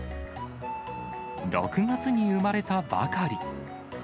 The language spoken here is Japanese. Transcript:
６月に産まれたばかり。